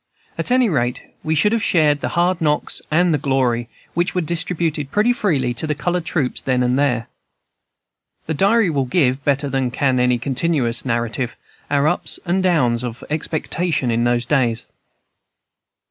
At any rate we should have shared the hard knocks and the glory, which were distributed pretty freely to the colored troops then and there. The diary will give, better than can any continuous narrative, our ups and down of expectation in those days.